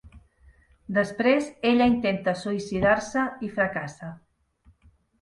Després ella intenta suïcidar-se i fracassa.